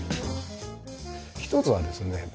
一つはですね